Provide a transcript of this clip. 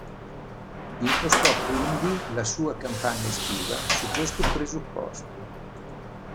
Impostò quindi la sua campagna estiva su questo presupposto.